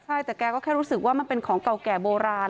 ใช่แต่แกก็แค่รู้สึกว่ามันเป็นของเก่าแก่โบราณ